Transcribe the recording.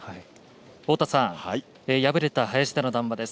太田さん、敗れた林田の談話です。